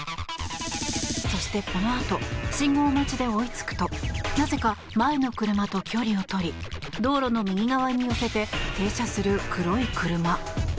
そしてこのあと信号待ちで追いつくとなぜか前の車と距離を取り道路の右側に寄せて停車する黒い車。